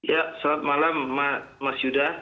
ya selamat malam mas yuda